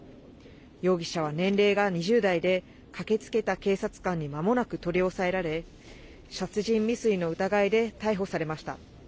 容疑者は年齢が２０代で駆けつけた警察官にまもなく取り押さえられ、殺人未遂の疑いで逮捕されました。